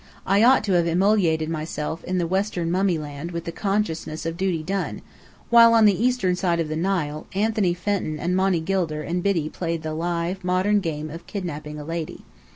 I ought to have immolated myself in the western Mummyland with the consciousness of duty done, while on the eastern side of the Nile, Anthony Fenton and Monny Gilder and Biddy played the live, modern game of kidnapping a lady.